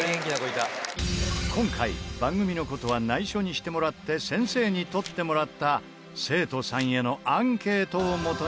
今回番組の事は内緒にしてもらって先生に取ってもらった生徒さんへのアンケートをもとに。